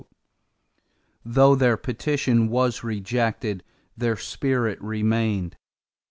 Though their petition was rejected, their spirit remained.